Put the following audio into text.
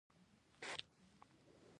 خلکو وویل چې ولې کار نه پرې کوې.